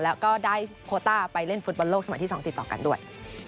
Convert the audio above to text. แล้วก็ได้โคต้าไปเล่นฟุตบอลโลกสมัยที่๒ติดต่อกันด้วย